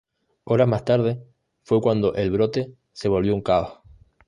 Horas más tarde fue cuando el brote se volvió un caos.